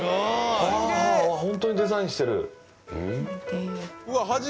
ホントにデザインしてる。